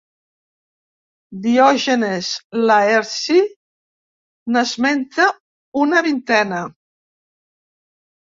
Diògenes Laerci n'esmenta una vintena.